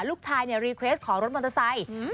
ลูกชายรีเควสต์ของรถมอเตอร์ไซด์